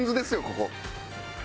ここ。